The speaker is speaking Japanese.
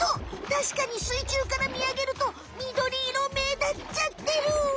たしかにすいちゅうからみあげるとみどり色目立っちゃってる！